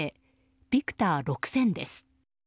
「ビクター６０００」です。